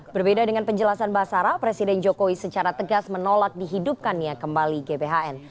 berbeda dengan penjelasan basara presiden jokowi secara tegas menolak dihidupkannya kembali gbhn